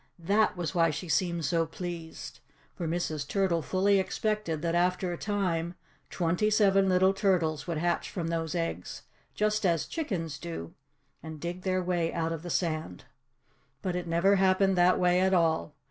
THAT was why she seemed so pleased. For Mrs. Turtle fully expected that after a time twenty seven little turtles would hatch from those eggs just as chickens do and dig their way out of the sand. But it never happened that way at all.